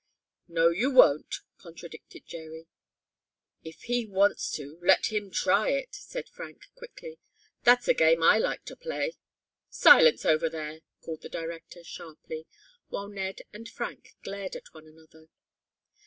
"No you won't," contradicted Jerry. "If he wants to let him try it!" said Frank, quickly. "That's a game I like to play." "Silence over there!" called the director, sharply, while Ned and Frank glared at one another.